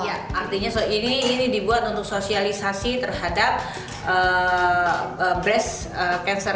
artinya ini dibuat untuk sosialisasi terhadap breast cancer